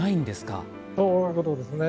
そういうことですね。